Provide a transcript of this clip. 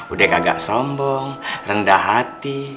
udah kagak sombong rendah hati